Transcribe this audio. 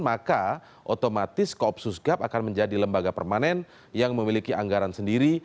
maka otomatis koopsus gap akan menjadi lembaga permanen yang memiliki anggaran sendiri